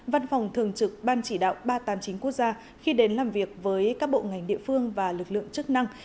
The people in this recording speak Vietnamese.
văn phòng thường trực ban chỉ đạo ba trăm tám mươi chín quốc gia khi đến làm việc với các bộ ngành địa phương và lực lượng chức năng